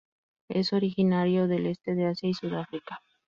Es originario del este de Asia y Sudáfrica.